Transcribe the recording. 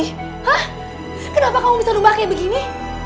hah kenapa kamu bisa nunggu kaya begini